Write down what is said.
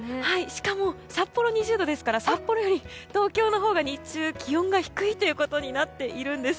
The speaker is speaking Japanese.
しかも札幌２０度ですから札幌より東京のほうが日中、気温が低いということになっているんです。